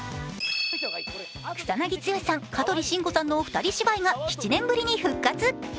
草なぎ剛さん、香取慎吾さんの２人芝居が７年ぶりに復活。